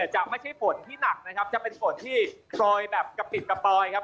จะไม่ใช่ฝนที่หนักนะครับจะเป็นฝนที่คอยแบบกระปิดกระปอยครับ